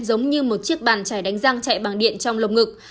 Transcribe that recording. giống như một chiếc bàn trải đánh răng chạy bằng điện trong lồng ngực